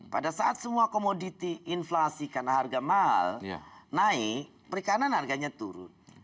pada saat semua komoditi inflasi karena harga mahal naik perikanan harganya turun